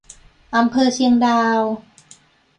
อำเภอเชียงดาว